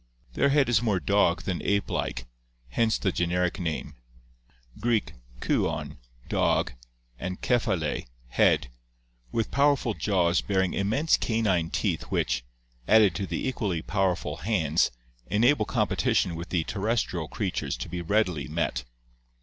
Their head is more dog than ape like, hence the generic name (Gr. kwdv, dog, and K€<f>a\i]} head), with powerful jaws bearing immense canine teeth which, added to the equally powerful hands, enable competition with the terrestrial creatures to be readily met.